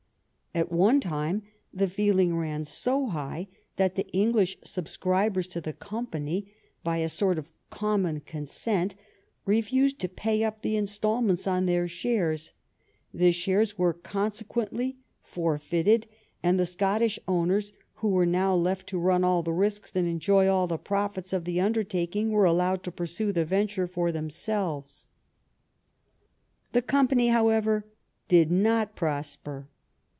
At one time the feeling ran so high that the English subscribers to the company, by a sort of common consent, refused to pay up the instalments on their shares; the shares were, consequently, for feited, and the Scottish owners, who were now left to run all the risks and enjoy all the profits of the un dertaking, were allowed to pursue the venture for themselves. The company, however, did not prosper.